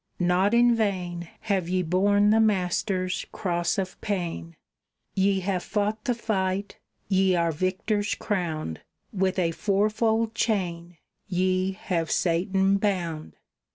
Not in vain Have ye borne the Master's cross of pain; Ye have fought the fight, ye are victors crowned, With a fourfold chain ye have Satan bound!"